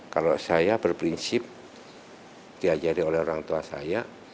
kalau saya berprinsip diajari oleh orang tua saya